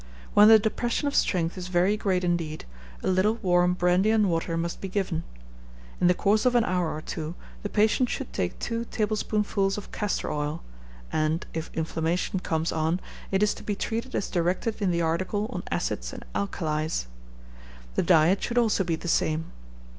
When the depression of strength is very great indeed, a little warm brandy and water must be given. In the course of an hour or two the patient should take two tablespoonfuls of castor oil, and if inflammation comes on, it is to be treated as directed in the article on acids and alkalis. The diet should also be the same.